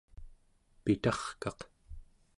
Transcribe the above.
pitarkaq